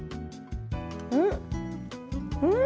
うん！